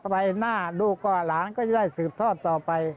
ใบหน้าลูกก็หลานก็จะได้สืบทอดต่อไป